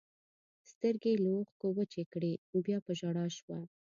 سترګې یې له اوښکو وچې کړې، بیا په ژړا شوه.